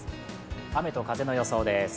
雨と風の予想です。